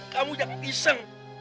kamu jangan diseng